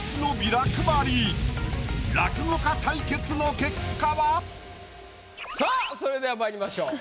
立川落語家対決の結果は⁉さあそれではまいりましょう。